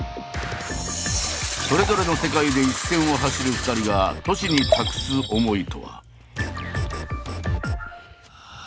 それぞれの世界で一線を走る２人が都市に託す思いとは。